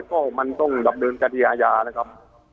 ก็มันต้องดับเดินกระที่อาญานะครับ